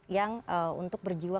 yang untuk berjiwa